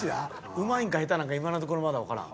うまいんか下手なんか今のところまだわからん。